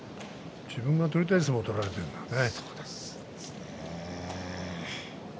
自分が取りたい相撲を取られているんだね。